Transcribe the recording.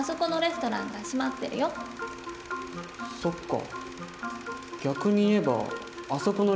そっか。